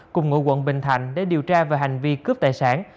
cùng ngụ quận bình thạnh để điều tra về hành vi cướp tài sản